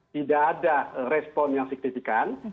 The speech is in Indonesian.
tidak ada respon yang signifikan